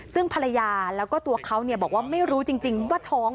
ซึ่งภรรยาแล้วก็ตัวเขาบอกว่าไม่รู้จริงว่าท้อง